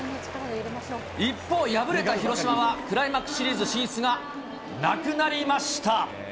一方、敗れた広島は、クライマックスシリーズ進出がなくなりました。